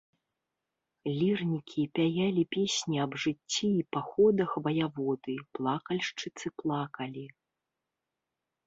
Лірнікі пяялі песні аб жыцці і паходах ваяводы, плакальшчыцы плакалі.